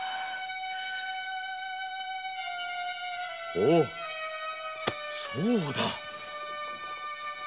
おうそうだ。